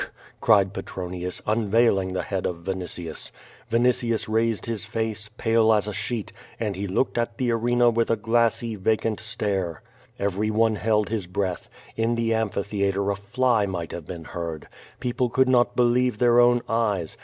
'' cried Petronius, unveiling the head of Vinitius. Vinitius raised his face, palo as a sheet, and lie looked at the arena with a glassy, vacant stare. Everyone held his breath. In the am})hithcatre a fly might have been heard. People could not believe their own eyes.